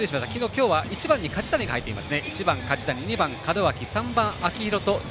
今日は１番に梶谷が入っています。